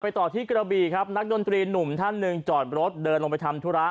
ต่อที่กระบีครับนักดนตรีหนุ่มท่านหนึ่งจอดรถเดินลงไปทำธุระ